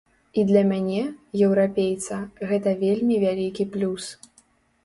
І для мяне, еўрапейца, гэта вельмі вялікі плюс.